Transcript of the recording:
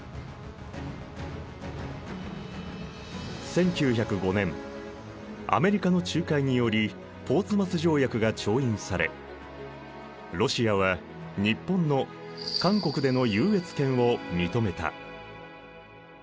１９０５年アメリカの仲介によりポーツマス条約が調印されロシアは日本の韓国での優越権を認めた。